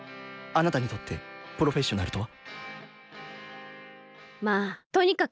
あなたにとってプロフェッショナルとは？